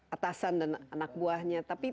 atasan dan anak buahnya tapi